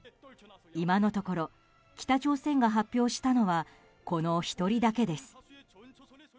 今のところ北朝鮮が発表したのはこの１人だけです。